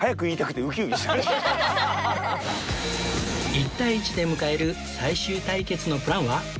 １対１で迎える最終対決のプランは？